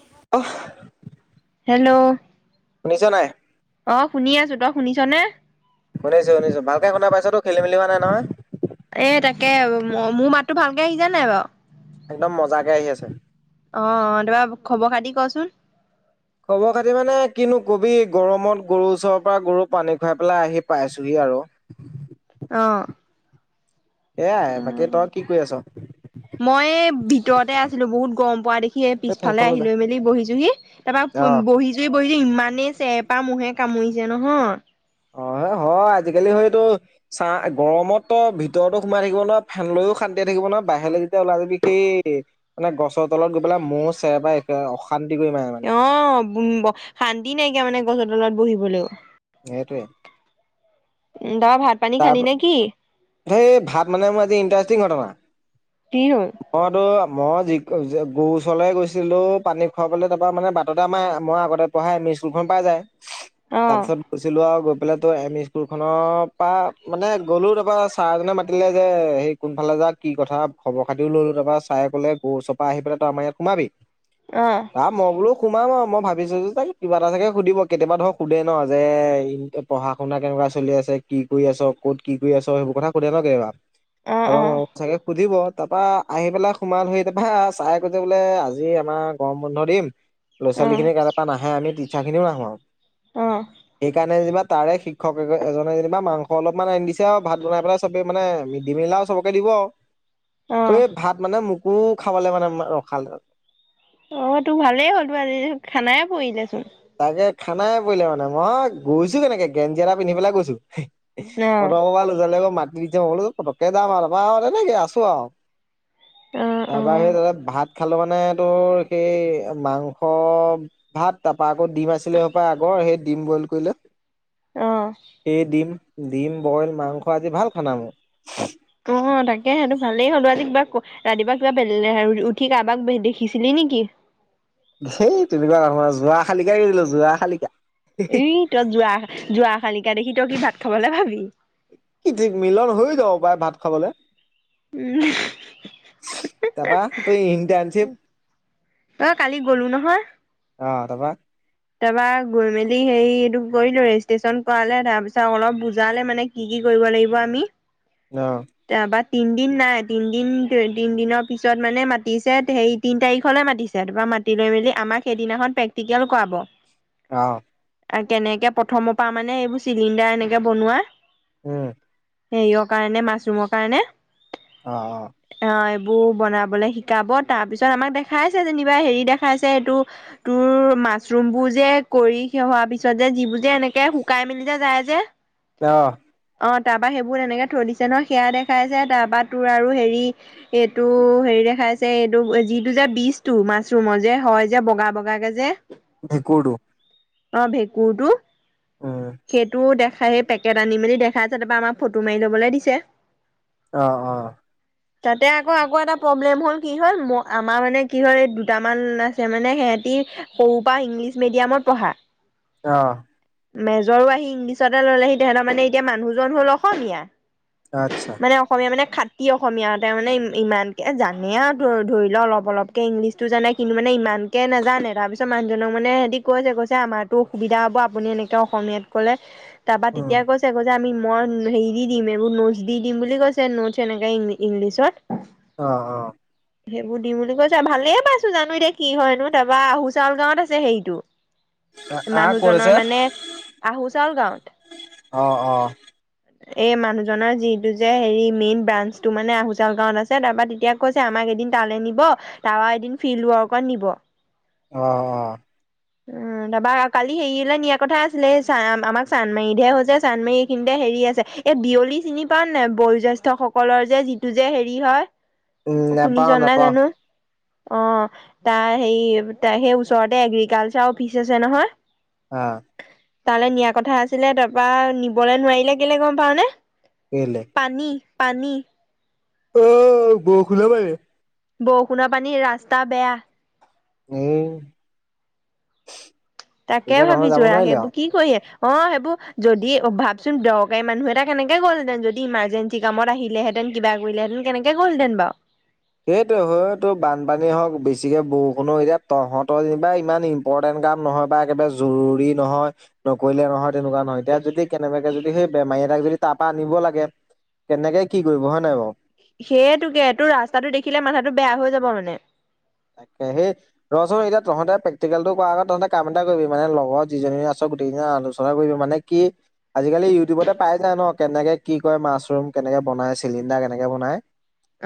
[inaudible] Hello শুনিছ নাই? অ', শুনি আছো তই শুনিছ নে? শুনিছো শুনিছো ভালকে শুনা পাইছতো খেলি মেলি হোৱা নাই নহয়? এ তাকে মোৰ মাতটো ভালকে আহিছে নাই বাৰু? একদম মজাকে কে আহি আছে। অ', অ', কামা খবৰ খাতি কচোন। খবৰ খাতি মানে কিনো কবি গৰমত গৰুৰ ওচৰৰ পৰা গৰু পানী খুৱাই পেলাই আহি পাইছোহি আৰু। অ'। এয়াই বাকী তই কি কৰি আছ'? মই এই ভিতৰতে আছিলো বহুত গৰম পৰা দেখি এই পিছফালে ফেনখন লৈ আহিলৈ মেলি বহিছোহি যা তাৰপৰা বহি [unintelligible] ইমানেই চেৰপা ম'হে কামুৰিছে নহয় অ', হয় আজিকালি সইটো চাহ গৰমত ত ভিতৰতো সোমাই থাকিব নোৱাৰ ফেন তলতো শান্তিয়ে থাকিব নোৱাৰ বাহিৰলৈ যেতিয়া ওলাই যাবি সেই মানে গছৰ তলত গৈ পেলাই মোৰো চেৰেপাই অশান্তি কৰি মাৰে আৰু। অ', শান্তি নাইকিয়া মানে গছৰ তলত বহিবলৈও। সেইটোয়ে। [unintelligible] ভাত পানী তাৰ খালি নে কি? সেই ভাত মানে মোৰ আজি ইণ্টাৰেষ্টিং ঘটনা কি হ'ল? মইতো মই যি গৰু ওচৰলৈ গৈছিলো পানী খুৱাবলে তাৰ পৰা মানে বাটতে আমাৰ মই আগতে পঢ়া এম ই স্কুলখন পাই যায় অ তাৰ পিছত গৈছিলো আৰু ফালে তোৰ এম ই স্কুল খনৰ পৰা মানে গ'লো তাৰপৰা ছাৰ এজনে মাতিলে যে সেই কোন ফালে যাঅ' কি কথা খবৰ খাতিও ললো তাৰপা চাৰে ক'লে গৰু ওচপা আহি পেলাই ত' আমাৰ ইয়াত সোমাবি। অ'। মই বোলো সোমাম আৰু মই ভাবিছোঁ যে তাক কিবা এটা চাগে সুধিব কেতিয়াবা ধৰক সুধে ন' যে পঢ়া শুনা কেনেকুৱা চলি আছে কি কৰি আছ' ক'ত কি কৰি আছ' সেইবোৰ কথা সুধে ন' কেতিয়াবা অ', অ' অ', চাগে সুধিব তাৰপা আহি পেলাই সোমালোহি তাৰপা চাৰে কৈছে বোলে আজি আমাক গৰম বন্ধ দিম ল'ৰা ছোৱালী খিনি কেনো নাহে আমি টিচাৰ খিনিও নাহো আৰু। অ সেইকাৰণে যেনিবা তাৰে শিক্ষক এজনে যেনিবা মাংস অলপমান আনি দিছে আৰু ভাত বনাই পেলাই চবে মানে মিড দে মিল আও চবকে দিব অ অ আৰু ভাত মানে খাবলে মানে ৰখালে। অ', তোৰ ভালেই হ'ল তো আজি খানাই পৰিলেচোন। তাকে খানাই পৰিলে মানে মই গৈছো কেনেকে গেঞ্জি এটা পিন্ধি পেলাই গৈছো। ন? [unintelligible] আকৌ মাকি দিচে পটকে যাম আৰু চাপা এনেকে আছো আৰু। অ', তাৰপা সেই অ', তাতে ভাত খালোঁ মানে তোৰ সেই মাংস ভাত তাৰপৰা আকৌ ডিম আছিলে সপায় আগৰ সেই ডিম বইল কৰিলে। অ'। সেই ডিম ডিম বইল মাংস আজি ভাল খানা মোৰ। অ', তাকেহে সেইটো ভালেই হ'ল বাৰু, আজি কিবা ৰাতিপুৱা কিবা উঠি কাৰোবাক দেখিছিলি নেকি? হেই তেনেকুৱা নহয়, যোৱা শালিকা দিলো যোৱা শালিকা। এই তই যোৰা, যোৰাশালিকা দেখি তই কি ভাত খাবলৈ পাবি। কি ঠিক, মিলন হৈয়ো যাব পাৰে ভাত খাবলৈ। উম্, তাপা, তোৰ ইণ্টাৰনশিপ কালি গ'লো নহয় অ', তাপা তাৰপা গৈ মেলি হেৰি এইটো কৰিলো, ৰেজিষ্ট্ৰেচন কৰালে তাৰ পিছত অলপ বুজালে মানে, কি কি কৰিব লাগিব আমি। অ', তাৰপৰা তিনদিন নাই, তিনদিন তিনদিনৰ পিছত মানে মাতিছে হেই তিনি তাৰিখলৈ মাতিছে, তাৰপৰা মাতি লৈ মেলি আমাক সেইদিনাখন প্ৰেক্টিকেল কৰাব। অ', আৰু কেনেকে প্ৰথমৰ পৰা মানে এইবোৰ চিলিণ্ডাৰ এনেকে বনোৱা, উম্, হেৰিয়ৰ কাৰণে, মাছৰুমৰ কাৰণে। অ', অ', এইবোৰ বনাবলৈ শিকাব, তাৰ পিছত আমাক দেখাইছে যেনিবা হেৰি দেখাইছে, এইটো তোৰ মাছৰুম বোৰ যে কৰি শেষ হোৱাৰ পিছত যে যিবোৰ যে এনেকে শুকাই মেলি যে যায় যে, অ', অ', তাৰপা সেইবোৰ তেনেকে থৈ দিছে নহয়, সেয়া দেখাইছে তাৰপা তোৰ আৰু হেৰি। এইটো হেৰি দেখাইছে, এইটো যিটো যে বীজ টো মাছৰুমৰ যে হয় যে বগা বগাকে যে। যে, ভেকুৰ টো, অ', ভেঁকুৰটো, উম সেইটো দেখাই পেক কেট আনি মেলি দেখাইছে, তাৰপৰা আমাক ফটো মাৰি ল'বলৈ দিছে। অ', অ', তাতে আকৌ, আকৌ এটা প্ৰব্লেম হ'ল কি হ'ল, ম আমাৰ মানে কি হ'ল এই দুটামান আছে মানে সিহঁতি, সৰুৰ পৰা ইংলিছ মেডিয়ামত পঢ়া। অ', মেজৰো আহি ইংলিছতে ল'লেহি, তেহেঁতৰ মানে এতিয়া মানুহজন হ'ল অসমীয়া। আচ্ছা। মানে অসমীয়া মানে খাটি অসমীয়া, তাৰমানে ই ইমানকৈ জানে আৰু ধৰি লও অলপ অলপ ইংলিছতো জানে কিন্তু মানে ইমানকে নাজানে, তাৰপিছত মানুহজনক মানে সিহঁতি কৈছে, কৈছে আমাৰ টো অসুবিধা হ'ব, আপুনি এনেকে অসমীয়াত ক'লে। তাৰপা উম তেতিয়া কৈছে, কৈছে আমি মই হেৰি দিম এইবোৰ নো দি দিম বুলি কৈছে নোষ্ট এনেকে ইংলিছত। অ', অ', সেইবোৰ দিম বুলি কৈছে, ভালেই পাইছোঁ জানো এতিয়া কি হয়েনো, তাৰপৰা আহু চাউল গাঁৱত আছে হেৰিটো। আহ ক'ত মানুহজনৰ আছে মানে, আহো চাউল গাঁৱত। অ অ এই মানুহজনৰ, যিটো যে হেৰি মেইন ব্ৰাঞ্চটো মানে আহুচাউল গাঁৱত আছে, তাৰপৰা তেতিয়া কৈছে আমাক এদিন তালৈ নিব, তাৰপৰা এদিন ফিল্ড ৱৰ্কত নিব। অ'অ', উম্, তাৰপা কালি হেৰিয়লৈ নিয়াৰ কথা আছিলে, চ আমাক চান্দমাৰিতহে হৈছে, চান্দমাৰি এইখিনিতে হেৰি আছে। এই বিয়লি চিনি পাৱনে নাই, বয়োজ্যেষ্ঠ সকলৰ যে যিটো যে হেৰি উম হয়। নাপাওঁ শুনিছন নাই নাপাওঁ জানোঁ। অ', তাই হেৰি, তাই সেই ওচৰতে এগ্ৰিকালচাৰ অফিচ আছে নহয়। অ', তালে নিয়া কথা আছিলে তাৰপৰা নিবলৈ নোৱাৰিলে কেলে গম পাও নে গলেে পানী পানী অ বৰ খোলা বাৰে বৰষুণৰ পানীৰ ৰাস্তা বেয়া উম তাকে ভাবিছো ৰা সেইবোৰ কি কৰিে অ সেইবোৰ যদি ভাবচোন দৰকাৰী মানুহ এটা কেনেকে গ'লহেঁতেন যদি ইমাৰ্জেঞ্চি সি কামত আহিলেঁতেন কালেহেতেন কেনেকৈ'লহেঁতেন বু সেইটোৱ হয়তো বানপানী হওক বেছিকে বৰষুণো এতিয়া তহঁতহৰনিবা ইমান ইম্পৰ্টেণ্ট কাম নহয় বা একেবাৰে জৰুৰী নহয় নকৰিলে নহয় তেনেকুৱা নহয়তিয়া যদি কেনেবাকে যদি সেই বেমাৰী এটাক যদি তাৰ পৰা আনিব লাগে কেনেকে কি কৰিব হয়ে নাই বাৰু সেইয়টোকে এইটো ৰাস্তাটো দেখিলে মাথাটো বেয়া হৈ যাব মানে তাকাকে সেই ৰ এতিয়া তহঁতে প্ৰেক্টিকেল টোাৰ আগত তহতে কাম এটা কৰিবি মানে লগৰ যিজনী আছ গোটেইনে আন কৰিব মানে কি আজিকালি ইউটিউবতে পাই যায় ন কেনেকে কি ক মাছৰুম কেনেকে বনাই চিলিণ্ডাৰ কেনেকে বনায়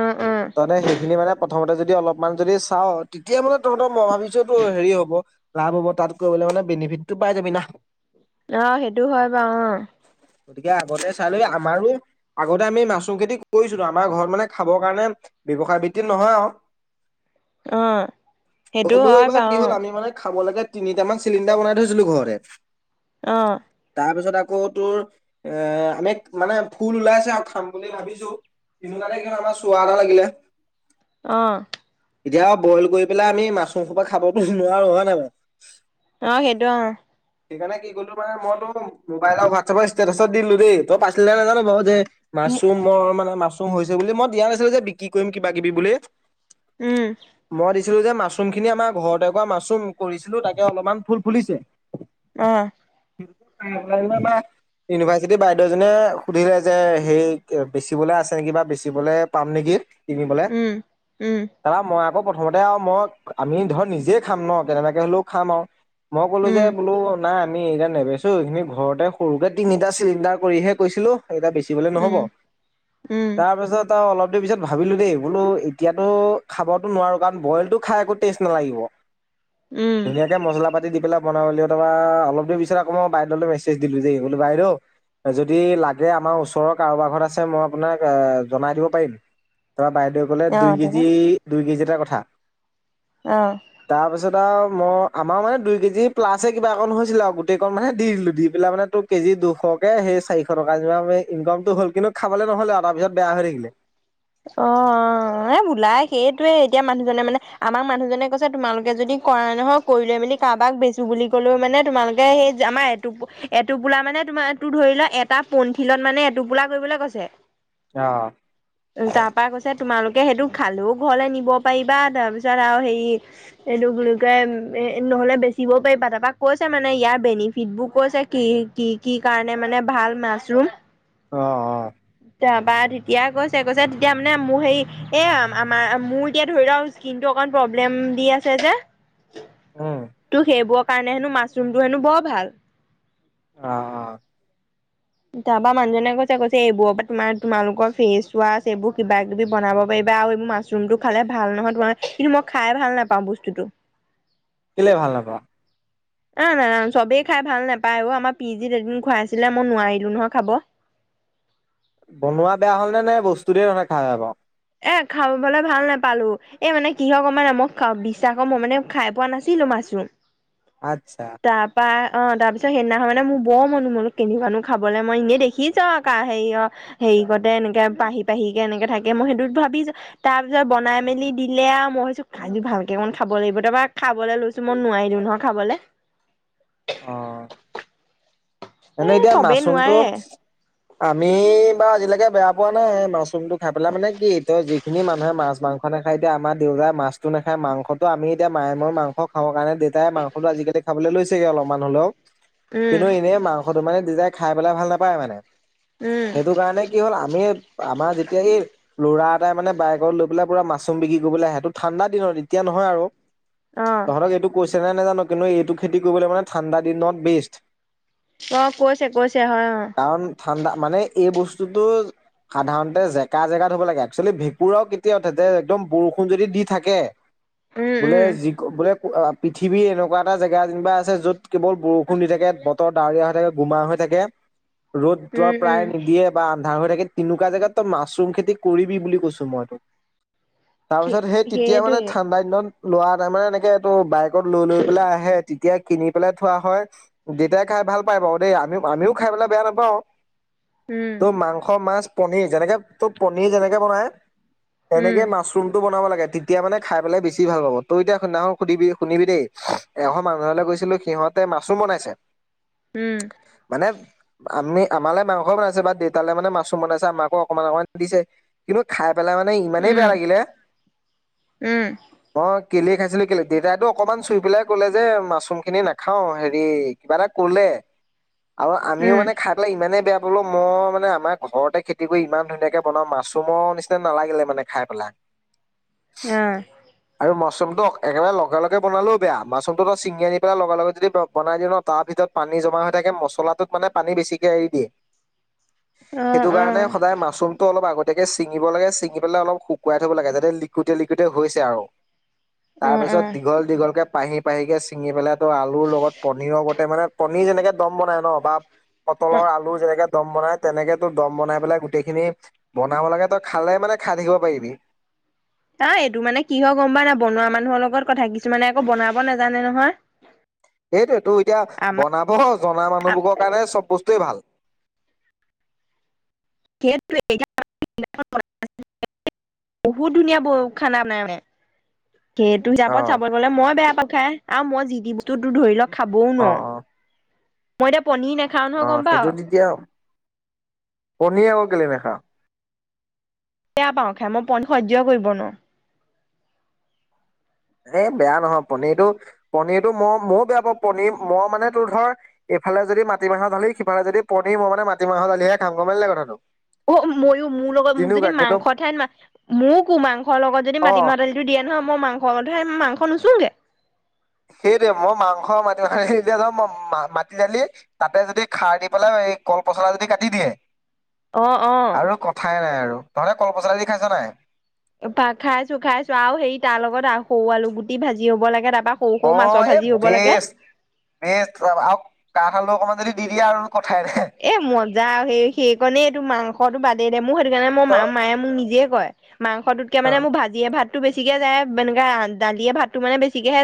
অ অ তমানে সেইখিনি মানে প্ৰথমতে যদি অলপমান যদি চাও তেতিয়া মানে তহঁতৰ মই ভাবিছো এইটো হেৰি হ'ব লাভ হ'ব তাত কৰিবলৈ মানে বেনিফিট টো পাই যাব বিনা অ সেইটো হয় বাৰু অ গতিকে আগতে চালো আমাৰো আগতে আমি মাছৰ খেতি কৰিছিলো আমাৰ ঘৰত মানে খাবৰ কাৰণে ব্যৱসায় ভিত্তিত নহয় আৰু অঁ হ'লো এইবাৰ কি হ'ল আমি মানে খাব লগে তিনিটামান চিলিণ্ডাৰ বনাই থৈছিলো ঘৰে অঁ তাৰ পিছত আকৌ তোৰ এ আমি মানে ফুল ওলাইছে আৰু খাম বুলি ভাবিছো তিনি তাৰিখ আমাৰ চোৱা এটা লাগিলে অ এতিয়া বইল কৰি পেলাই আমি মাছৰ খোপা খাবতো নোৱাৰো হয় নাই বাৰু অ সেইটো অ সেইকাৰণে কি কলো মানেইো মোবাইলৰ হোৱাটছএপৰ ষ্টেটাছত দিলো দেই তই পাইছিলে নাজানো ব যে মাছৰুমৰ মানে মাছৰুম হৈছে বুলি মই দিয়া নাছিলো যে বিক্ৰী কৰিম কিবা কিবি বুলি উম মৰি ছিলো যে মাছৰুম খিনি আমাৰ ঘৰতে একুৱা মাছৰুম কৰিছিলো তাকে অলপমান ফুল ফুলিছে অ পাই ন ইউনিভাৰ্চিটিৰ বাইদেউজনে সুধিলে যে সেই বেচিবলৈ আছে নেকি বা বেচিবলৈ পাম নেকি তুমি বোলে উম উম দাদা মই আকৌ প্ৰথমতে আৰু মই আমি ধৰ নিজে খাম ন কেনেবাকে হ'লেও খাম আৰু মই ক'লো যে উম নাই আমি এইতিয়া নেবেচো এইখিনি ঘৰতে সৰুকে তিনিটা চিলিণ্ডাৰ কৰিহে কৈছিলো এটা বেছি কি বলে নহব উম উম, তাৰ পিছত অলপ দেৰি পিছত ভাবিলো দেই বোলো এতিয়াতো খাবতো নোৱাৰো কাৰণ বইলতটো খাই একো টেষ্ট নালাগিব উম। ধুনীয়াকে মছলা পাতি দি পেলাই বনাব তা অলপ দেৰি পিছত আকৌই বাইদেউলে মেছেজ দিলো যেল বাইদেউ যদি লাগে আমাৰ ওচৰৰ কাৰোবাৰ ঘৰত আছে মই আপোনাক জনাই দিব পাৰিম তাৰপৰা বাইদেউে কলে দুই অ', তাৰপা কেজি দুই কেজিাৰ কথা অ তাৰপিছত আৰু মই আমাৰ মানে দুই কেজি প্লা আছে কিবা অকন হৈছিলে আৰু গোটেই কন মানে দি দিলো দি পেলাই মানে তোৰ কেজি দুশকে সেই চাৰিশ টকা যেিমান ম ইনকামটো হ'ল কিন্তু খাবলৈ নহ'লে আৰু তাৰপিত বেয়া হৈ থাকিলে অ এ বোলাই সেইটয়ে এতিয়া মানুহজনে মানে আমাক মানুহজনে কৈছে তোমালোকে যদি কৰা নহয় কৰি লৈ মেলি কাৰোবাক বেচো বুলি ক'লেও মানে তোমালোকে সেই আমাৰ এটো এটো পোলা মানে তোমাৰটো ধৰি লোৱা তাৰ পণথিলত মানে এটোপোলা কৰিবলৈ কৈছে অ তাৰ পৰাা কৈছে তোমালোকে সেইটো খালেও ঘৰলৈ নিব পাৰিবা তাৰপিছত আৰু হেৰি এইটো গোকে এ নহলে বেচিবও পাৰিবা তাৰপাক কৈছে মানে ইয়াৰ বেনিফিট বোৰ কৈছে কি কি কি কাৰণে মানে ভাল মাছৰুম অহ অ তেতি বা তেতিয়া কৈছে কৈছে তেতিয়া মানে মোৰ হেই এ আমাৰ মোৰ এতিয়া ধৰি লও স্কিন টো অকন প্ৰব্লেম দি আছে যে উম, ত সেইবোৰৰ কাৰণে হেনো মাছৰুমটো হেনো বৰ ভাল অ অ', তাৰ পৰাা মানুহজনে কৈছে কৈছে এইবোৰৰ পৰা তোমাৰ তোমালোকৰ ফেচ ৱাশ এইবোৰ কিবা কিবি বনাব পাৰিবা আৰু এইবোৰ মা ৰুমটো খালে ভাল নহয় তোমাৰ কিন্তু মই খাই ভাল নাপাওঁ বস্তুটো কেলে ভাল নাপা অ নাজান চবেই খাই ভাল নাপায় অ আমাৰ পি জিত এদিন খুৱাই আছিলে মই নোৱাৰি আু নহোৱা খাব বনোৱা বেয়া হ'ল নে বস্তুতেই ধৰে খ হয় বু এ খাবাবলৈ ভাল নোপালো এ মানে কিহৰ ক মানে মই বিশ্বাস মই মানে খাই পোৱা নাছিলো মাছো আত্ছা তাৰ পৰাা অ তাৰ পিছত সেইদিনাখন মানে মোৰ বৰ মনোমোল পন্িিবনো খাবলৈ মই এনেই দেখিছা আৰু হেৰি অ হেৰি কৰতে এনেকে পাহি পাহি কেে এনেকে থাকে মই সেইটো ভাবিছ তাৰ পিছত বনাই মেলি দিলে আৰু মইছো খাই ভালকে অণ খাব লাগিব তাৰপৰা খাবলৈ লৈছো মই নোৱাৰি দিওঁ নহয় খাবলৈ অঁ এ এনেে এতিয়া চবেই মাছৰুমটো নোৱাৰে আমি বাৰু আজিলৈকে বেয়া পোৱা নাই মাছৰুম টো খাই পেলাই মানে কি ত যি যিন মুহে মাছ মাংসাায় এতি আমাৰ দেউতাই মাছটো নাখায় মাংসটো আম এতিয়া মায় মৰ মাং খওঁ কাৰণে দেউতাই মাংসটো আজিকালি খাবলৈ লৈছেগে অলপমান হলেও উম কিন্তু এনেই মাং সদু মানে দিজাই খাই পেলাই ভাল নাপায় মানে উম সেইটো কাৰণে কি হ'ল আমি আমাৰ যেতিয়া এই লৰা তাই মানে বাইেত লৈ পেলাই পু মাছৰুম বিক্ৰী কৰিবলৈ আহ সেইটো ঠাণ্ডা দিনত এতিয়া নহয় আৰু অ তহঁতক এইটো কৈছে নাই নে জানো কিন্তু এইটো খেতি কৰিবলৈ মানে ঠাণ্ডা দিনত বেষ্ট অ কৈছে কৈছে হয় অ কাৰণ ঠাণ্ডা মানে এই বস্তুটো সাধাৰণতে জেকা জেগাত হ'ব লাগে একচুৱেলি ভেঁকুৰাও কেতিয়া উঠেতে একদম বৰষুণ যদি দি থাকে উম বোলে উম যি বোলে পৃথিৱী এনেকুৱা এটা জেগা যেনিবা আছে য'ত কেৱল বৰষুণ দি থাকে বতৰ ডাৱৰীয়া হৈ থাকে গোমা হৈ থাকে ৰ'দ উম উম প্ৰায় নিদিয়ে বা আন্ধাৰ হৈ থাকে তেনেকুৱা জাগগাত তই মাছৰুম খেতি কৰিবি বুলি কৈছো মই তো তাৰপিছত সেই তেতিয়া মানে সেইটোৱে ঠাণ্ডা দিনত লৰা তাৰ মানে এনেকে এইটো বাইকত লৈ লৈ পেলাই আহে তেতিয়া কিনি পেলাই থোৱা হয় দেতাই খাই ভাল পাই বাৰ দেই আমি আমিও খাই পাই বেয়া নাপাওঁ উম ত' মাংস মাছ পনিৰ যেনেকে তোৰ পনিৰ যেনেকে বনাই উম তেনেকে মাছ ৰুম টো বনাব লাগে তেতিয়া মানে খাই পেলাই বেছি ভাল পাব তই এতিয়া সদিনাখন সুধিবি শুনিবি দেই এশ মানুহলৈ গৈছিলো সিহঁতে মাছৰুম বনাইছে উম, মানে, আমি, আমালে মাংসও বনাইছে, বা দেউতালৈ মানে মাছো বনাইছে আমাকো অকণমান অকণমান দিছে কিন্তু, খাই পেলাই মানে ইমানেই বেয়া উম লাগিলে উম অ', কেলে খাইছিলো, কেলে দেউতাইটো অকমান চুই পেলাই কলে, যে মাছৰুম খিনি না হেৰি কিবা এটা কলে, আৰু আমিও মানে উম খাই ইমানেই বেয়া পালো, মই মানে আমাৰ ঘৰতে খেতি কৰি ইমান ধুনীয়াকে বনাওঁ, মাছৰুমৰ নিচিনা নালাগিলে মানে খাই পেলাই উম, আৰু মাছৰুমটো একেবাৰে, লগে লগে বনালেও বেয়া, মাছৰুমটো তই ছিঙি আনি পেলাই লগে লগে যদি বনাই দিয় ন তাৰ ভিতৰত পানী জমা হৈ থাকে, মছলাটোত মানে পানী বেছিকৈ এৰি দিয়ে অ অ সেইটো কাৰণে অ সদায় মাছৰুম ত অলপ আগতীয়াকে চিঙিব লাগে, ছিঙি পেলাই অলপ শুকাই থব লাগে, যাতে লিকইডে লিকুইডে হৈছে আৰু তাৰ অ', পিছত, অ', দীঘল দীঘল কে পাহি পাহি কে ছিঙি পেলাই তো আলুৰ লগত পনীৰৰ গতে মানে কনীৰ যেনেকে দম বনাই ন, বা পটলৰ অ', আলু যেনেকে দম বনাই তেনেকে, তো দম বনাই পেলাই গোটেই খিনি বনাব লাগে, তই খালে মানে খাই থাকিব পাৰিবি আহ, এইটো মানে কিহ গম না বনোৱা মানুহৰ লগত কথা, কিছুমানে আকৌ বনাব নাজানে নহয় এইটোয় তটো এতিয়া আমাৰ বনাব জনা, মানুহবোৰৰ কাৰণে চব বস্তুৱয়ে ভাল [unintelligible] বহুত ধুনীয়া ব খানা বনাই মানে সেইটো হিচাপত অ', চাব গলে মই বেয়া পা খাই আৰু মই যি দিব ধৰি লওক খাবও নোৱাৰো, অ', অ', মই এতিয়া পন ন অ', সেইটো তেতিয়া, কনী আকৌ কেলে নেখা বেয়া পাওঁ খাই, মই পনীৰ সহ্য কৰিব ন এ, বেয়া নহয়, পনীৰটো পনীৰটো মই মই বেয়া পাওঁ পনীৰ মই মানে তোৰ ধৰ এইফালে যদি মিাহৰ দালি, সিফালে যদি পী মানে মাটি মাহৰ দালিহে কথাটো অ', মইো মোৰ লগত মোক যদি, তেনেকুৱা কিন্তু মাংস ঠ ন ময় কো মাংসৰ লগত যদি অ মাটিমাহ দালি তটো দিয়ে নহয়, মই মাংসত মাংস নুচোগে সেইটোৱে, মই মাংস মি মাে যাওঁ মই মাটি দালি তাতে যদি খাৰ দি পেলাই, এই কল পচলা যদি কাটি দিয়ে অ', ঠাই নাই আৰু, তহঁতে কল পচলি দি খাইছা নাই খাইছো, খাইছো, আৰু হেৰি তাৰ লগত সৰু আলু গুটি ভাজি হ'ব লাগে, তাৰপা সৰু সৰু মাছৰ অ', ভাজি হ'ব লাগে বেছ বেচ, আৰু কাঠালু অকণমান যদি দি দিয়া আৰু কথাই এ মজা, সেই সেইকাৰণেই এইটো মাংসটো বাদেই দে, মোৰ সেইটো কাৰণে মোৰ ত মা মায়ে মোক নিজে কয়, মাংসটোতকে অ মানে মোক ভাজিয়ে ভাত ভাত বেছিকে যায়, এনেকে দালিয়ে ভাতটো মানে বেছিকে